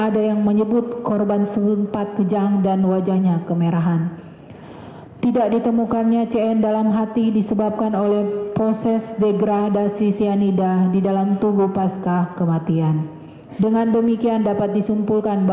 hal ini berdasar dan bersesuaian dengan keterangan ahli toksikologi forensik dr rednath imade agus gilgail wirasuta